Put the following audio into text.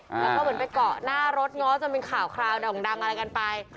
แล้วก็เหมือนไปเกาะหน้ารถง้อจนเป็นข่าวคราวด่งดังอะไรกันไป